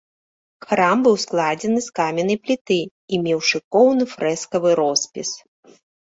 Храм быў складзены з каменнай пліты і меў шыкоўны фрэскавы роспіс.